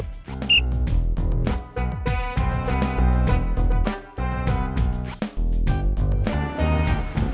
tak usah banyak garis